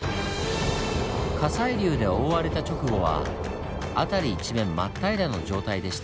火砕流で覆われた直後は辺り一面真っ平らの状態でした。